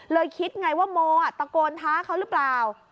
คิดไงว่าโมตะโกนท้าเขาหรือเปล่า